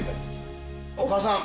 お母さん。